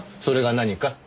それが何か？